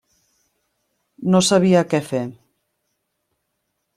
No sabia què fer.